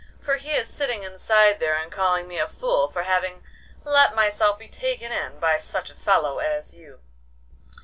for he is sitting inside there and calling me a fool for having let myself be taken in by such a fellow as you.